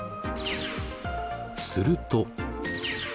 すると。